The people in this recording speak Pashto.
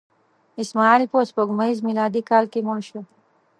اسماعیل په سپوږمیز میلادي کال کې مړ شو.